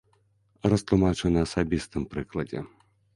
Растлумачу на асабістым прыкладзе.